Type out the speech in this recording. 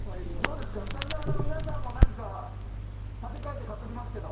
スタジオの皆さんも立て替えて買っときますけど。